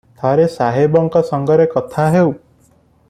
ଥରେ ସାହେବଙ୍କ ସଙ୍ଗରେ କଥାହେଉ ।